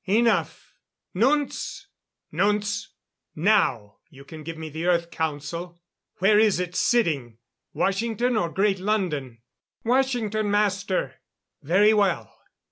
Enough! Nunz? Nunz now you can give me the Earth Council! Where is it sitting? Washington, or Great London?" "Washington, Master." "Very well....